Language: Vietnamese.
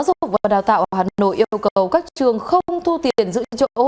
sở dụng và đào tạo hà nội yêu cầu các trường không thu tiền giữ chỗ